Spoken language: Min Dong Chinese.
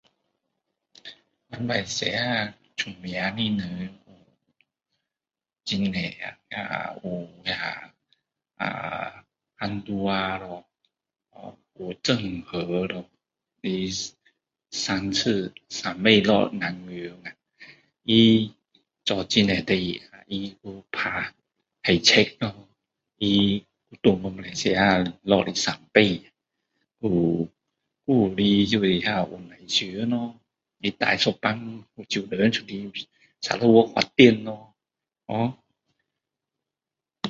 马来西亚比较出名的人很多呀那个呃Anua lor 有郑和三次三次下南样他做很多事情然后他还打海贼他回去马来西亚下来三次还有还有就是那个黄乃桑lo hor他带一帮福州人出来Sarawak 发展